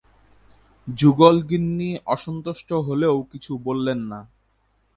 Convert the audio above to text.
যুগল-গিন্নি অসন্তুষ্ট হলেও কিছু বললেন না।